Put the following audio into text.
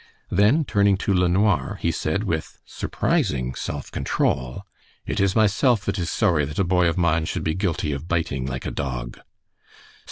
Then turning to LeNoir, he said, with surprising self control, "It is myself that is sorry that a boy of mine should be guilty of biting like a dog."